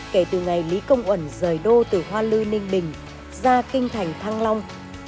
kể từ ngày lý công uẩn rời đô từ hoa lư ninh bình ra kinh thành thăng long